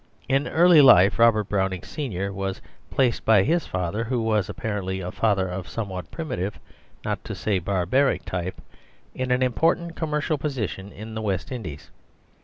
In early life Robert Browning senior was placed by his father (who was apparently a father of a somewhat primitive, not to say barbaric, type) in an important commercial position in the West Indies.